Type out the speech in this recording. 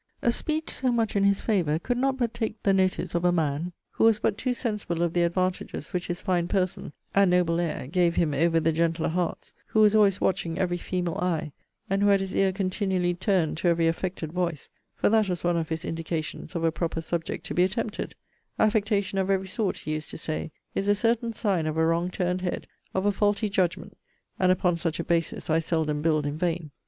A speech so much in his favour, could not but take the notice of a man who was but too sensible of the advantages which his fine person, and noble air, gave him over the gentler hearts, who was always watching every female eye, and who had his ear continually turned to every affected voice; for that was one of his indications of a proper subject to be attempted Affectation of every sort, he used to say, is a certain sign of a wrong turned head; of a faulty judgment; and upon such a basis I seldom build in vain.